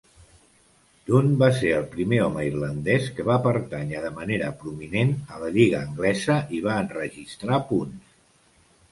Dunne va ser el primer home irlandès que va pertànyer de manera prominent a la lliga anglesa i va enregistrar punts.